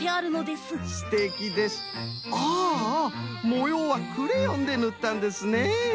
もようはクレヨンでぬったんですね。